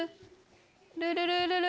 ルルルルル。